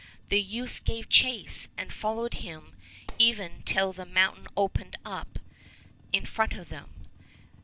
The youths gave chase and followed him even till the moun tain opened in front of them.